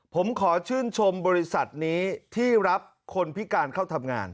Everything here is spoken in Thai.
ผมขอชื่นชมบริษัทนี้ที่รับคนพิการเข้าทำงาน